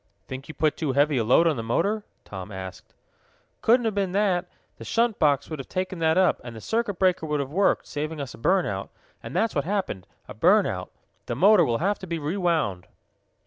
"Think you put too heavy a load on the motor?" Tom asked. "Couldn't have been that. The shunt box would have taken that up, and the circuit breaker would have worked, saving us a burn out, and that's what happened a burn out. The motor will have to be rewound."